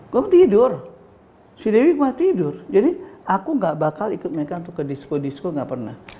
gue mau tidur si dewi gue tidur jadi aku gak bakal ikut mereka untuk ke disko disco gak pernah